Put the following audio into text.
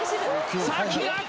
さあ木村。